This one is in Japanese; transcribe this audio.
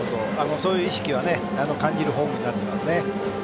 そういう意識は感じるフォームになっていますね。